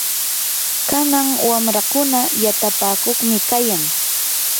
kanan wamrakuna yatapakuqmi kayan.